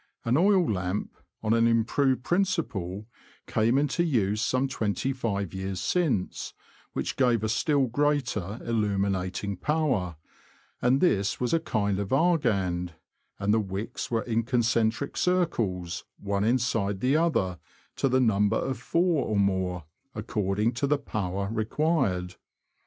An oil lamp, on an im proved principle, came into use some twenty five years since, which gave a still greater illuminating power, and this was a kind of Argand, and the wicks were in concentric circles, one inside the other, to the number of four or more, according to the power required.